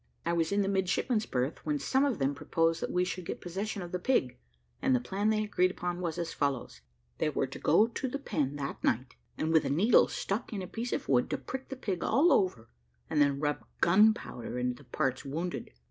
I was in the midshipmen's berth, when some of them proposed that we should get possession of the pig; and the plan they agreed upon was as follows: they were to go to the pen that night, and with a needle stuck in a piece of wood, to prick the pig all over, and then rub gunpowder into the parts wounded.